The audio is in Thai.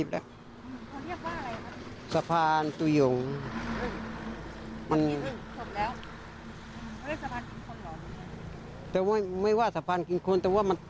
แต่ว่านี้ไม่ว่าสะพานกินคนเต๋วง่า